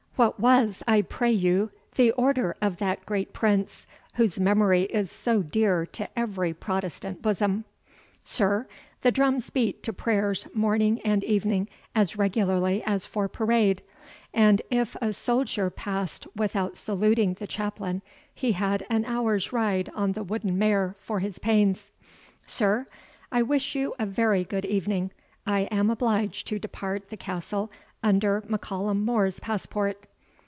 "What was, I pray you, the order of that great Prince, whose memory is so dear to every Protestant bosom?" "Sir, the drums beat to prayers morning and evening, as regularly as for parade; and if a soldier passed without saluting the chaplain, he had an hour's ride on the wooden mare for his pains. Sir, I wish you a very good evening I am obliged to depart the castle under M'Callum More's passport."